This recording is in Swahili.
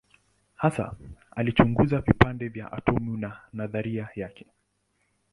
Hasa alichunguza vipande vya atomu na nadharia yake.